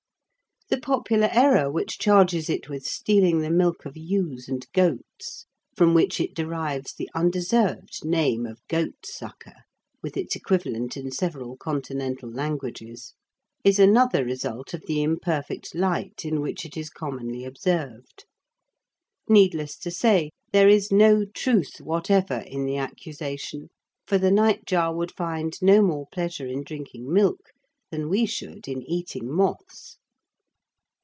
The popular error which charges it with stealing the milk of ewes and goats, from which it derives the undeserved name of "goat sucker," with its equivalent in several Continental languages, is another result of the imperfect light in which it is commonly observed. Needless to say, there is no truth whatever in the accusation, for the nightjar would find no more pleasure in drinking milk than we should in eating moths.